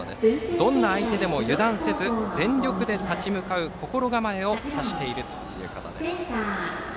どんな相手でも油断せず全力で立ち向かう心構えを指しているということです。